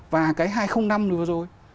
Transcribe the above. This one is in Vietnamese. và cái hai nghìn năm rồi